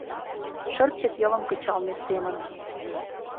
Шырчык йылым кычалме семын